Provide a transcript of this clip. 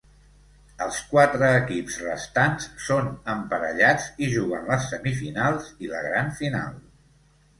Els quatre equips restants són emparellats i juguen les semifinals i la gran final.